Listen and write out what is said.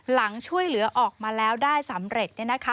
หลังช่วยเหลือออกมาแล้วได้สำเร็จ